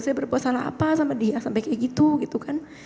saya berbuat salah apa sama dia sampai seperti itu